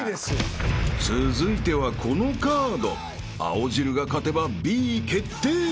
［続いてはこのカードアオジルが勝てばＢ決定］